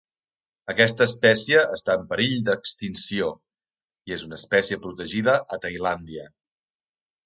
Aquesta espècie està en perill d'extinció i és una espècie protegida a Tailàndia.